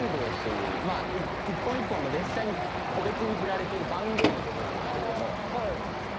一本一本の列車に個別に振られている番号のことなんですけども。